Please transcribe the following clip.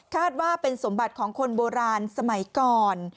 ว่าเป็นสมบัติของคนโบราณสมัยก่อน